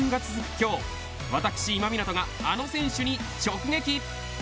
今日私今湊があの選手に直撃。